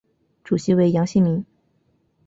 主席为杨新民。